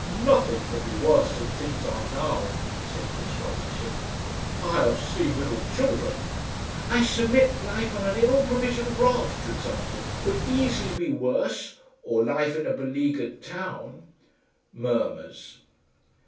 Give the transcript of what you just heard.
"Nothing could be worse than things are now," said Chris Robinson. "I have seen little children " "I submit life on an ill provisioned raft, for example, could easily be worse or life in a beleagured town." Murmurs.